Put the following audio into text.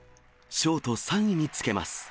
ショート３位につけます。